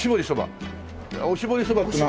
おしぼりそばっていうのは。